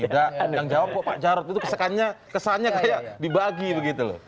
pengertian yang jawab pak jarod itu kesannya kayak dibagi begitu